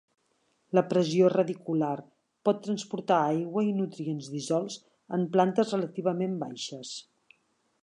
La pressió radicular pot transportar aigua i nutrients dissolts en plantes relativament baixes.